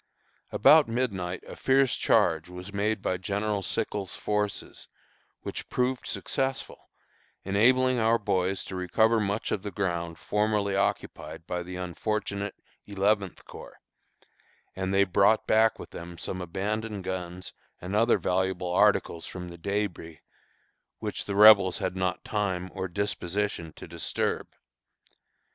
About midnight a fierce charge was made by General Sickles' forces, which proved successful, enabling our boys to recover much of the ground formerly occupied by the unfortunate Eleventh Corps, and they brought back with them some abandoned guns and other valuable articles from the débris, which the Rebels had not time or disposition to disturb.